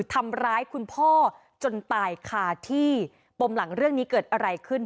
ทำร้ายคุณพ่อจนตายคาที่ปมหลังเรื่องนี้เกิดอะไรขึ้น